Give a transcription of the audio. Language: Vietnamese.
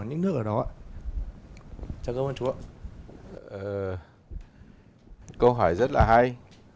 câu hỏi rất là hay